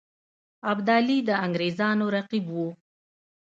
ابدالي د انګرېزانو رقیب وو.